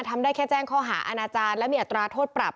ตอนแรกที่ไปแจ้งเขาหาอาณาจารย์แล้วมีอัตราโทษปรับ